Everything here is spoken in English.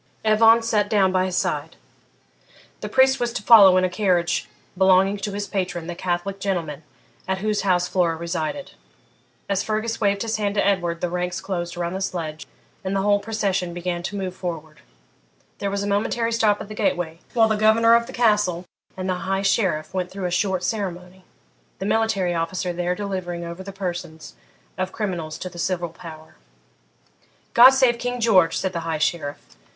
Evan sat down by his side. The priest was to follow in a carriage belonging to his patron, the Catholic gentleman at whose house Flora resided. As Fergus waved his hand to Edward the ranks closed around the sledge, and the whole procession began to move forward. There was a momentary stop at the gateway, while the governor of the Castle and the High Sheriff went through a short ceremony, the military officer there delivering over the persons of the criminals to the civil power. 'God save King George!' said the High Sheriff.